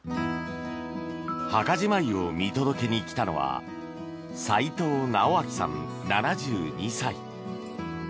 墓じまいを見届けに来たのは齋藤直明さん、７２歳。